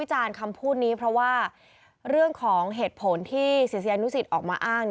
จารย์คำพูดนี้เพราะว่าเรื่องของเหตุผลที่ศิษยานุสิตออกมาอ้าง